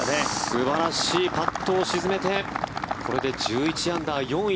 素晴らしいパットを沈めてこれで１１アンダー４位